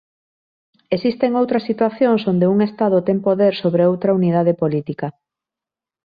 Existen outras situacións onde un estado ten poder sobre outra unidade política.